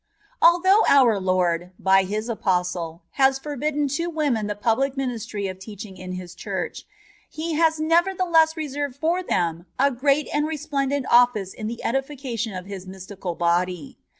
Although our Lord, by His apostle, has for bidden to women the public ministry of teach ing in His Church, He has nevertheless reserved for them a great and resplendeht office in the edification of His mystical Body.